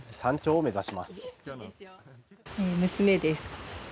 娘です。